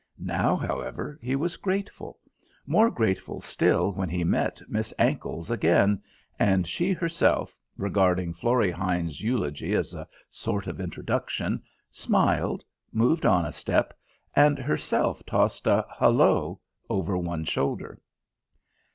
Now, however, he was grateful: more grateful still when he met Miss Ankles again, and she herself, regarding Florry Hines' eulogy as a sort of introduction, smiled, moved on a step, and herself tossed a "Hullo" over one shoulder.